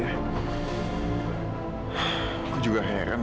aku juga heran